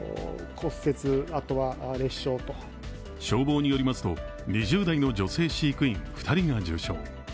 消防によりますと２０代の女性飼育員２人が重傷。